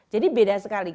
jadi beda sekali